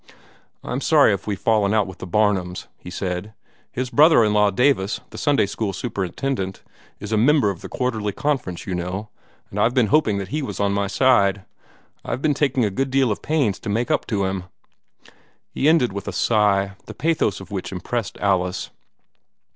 "I'm sorry if we've fallen out with the Barnums," he said. "His brother in law, Davis, the Sunday school superintendent, is a member of the Quarterly Conference, you know, and I've been hoping that he was on my side. I've been taking a good deal of pains to make up to him." He ended with a sigh, the pathos of which impressed Alice.